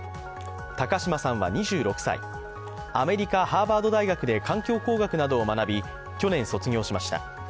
高島さんは２６歳、アメリカ・ハーバード大学で環境工学などを学び去年、卒業しました。